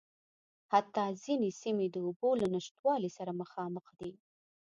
حتٰی ځينې سیمې د اوبو له نشتوالي سره مخامخ دي.